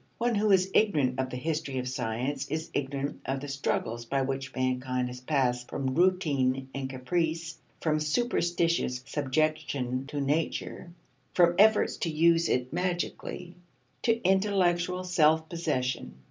One who is ignorant of the history of science is ignorant of the struggles by which mankind has passed from routine and caprice, from superstitious subjection to nature, from efforts to use it magically, to intellectual self possession.